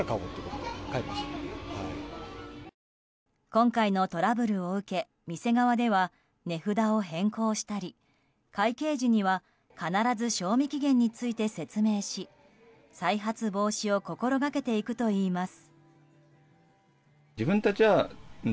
今回のトラブルを受け店側では値札を変更したり会計時には必ず賞味期限について説明し再発防止を心がけていくといいます。